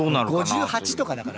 ５８とかだから。